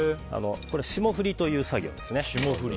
霜降りという作業ですね。